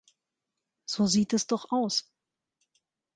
So sieht es doch aus.